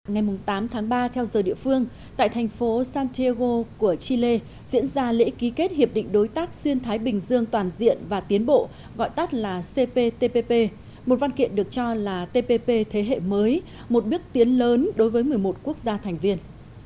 ngày tám tháng ba theo giờ địa phương tại thành phố santégo của chile diễn ra lễ ký kết hiệp định đối tác xuyên thái bình dương toàn diện và tiến bộ gọi tắt là cptpp một văn kiện được cho là tpp thế hệ mới một bước tiến lớn đối với một mươi một quốc gia thành viên